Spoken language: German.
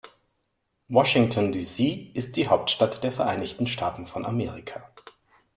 Washington, D.C. ist die Hauptstadt der Vereinigten Staaten von Amerika.